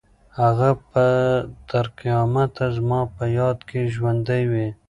هغه به تر قیامته زما په یاد کې ژوندۍ وي.